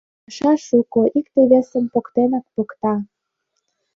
Паша шуко, икте-весым поктенак покта.